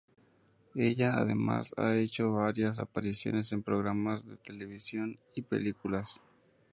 Ella además ha hecho varias apariciones en programas de televisión y películas.